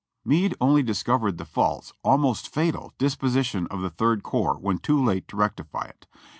Meade only discovered the false — almost fatal — disposition of the Third Corps when too late to rectify it.